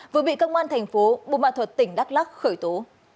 vừa bị công an thành phố bù mạ thuật tỉnh đắk lắc khởi tố